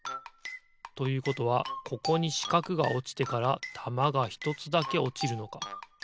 ということはここにしかくがおちてからたまがひとつだけおちるのか。